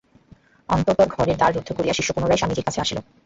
অনন্তর ঘরের দ্বার রুদ্ধ করিয়া শিষ্য পুনরায় স্বামীজীর কাছে আসিল।